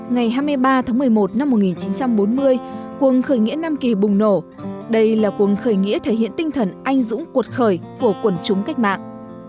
ngày hai mươi ba tháng một mươi một năm một nghìn chín trăm bốn mươi cuồng khởi nghĩa nam kỳ bùng nổ đây là cuồng khởi nghĩa thể hiện tinh thần anh dũng cuộc khởi của quần chúng cách mạng